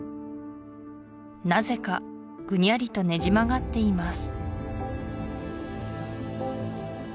なぜかグニャリとねじ曲がっています